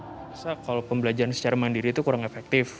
saya rasa kalau pembelajaran secara mandiri itu kurang efektif